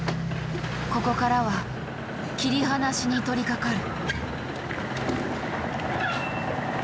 ここからは切り離しに取りかかる。